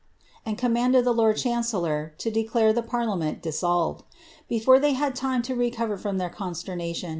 ^ and commanded the lord rhnnrcllor to declare ihc (Kxriianient dissolved. Before they had time to recover from their constcrnaiion.